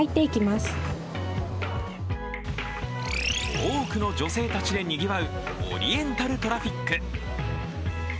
多くの女性たちでにぎわうオリエンタルトラフィック。